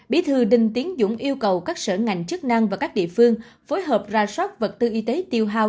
bí thư đinh tiến dũng yêu cầu các sở ngành chức năng và các địa phương phối hợp ra sót vật tư y tế tiêu hào